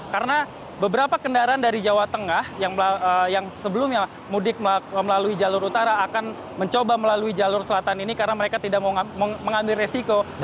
karena beberapa kendaraan dari jawa tengah yang sebelumnya mudik melalui jalur utara akan mencoba melalui jalur selatan ini karena mereka tidak mengambil resiko